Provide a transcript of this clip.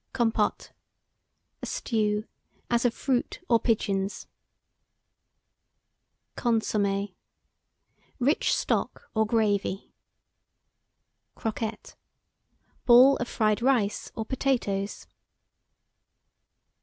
COMPOTE. A stew, as of fruit or pigeons. CONSOMMÉ. Rich stock, or gravy. CROQUETTE. Ball of fried rice or potatoes.